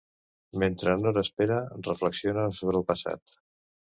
Mentre Nora espera, reflexiona sobre el passat.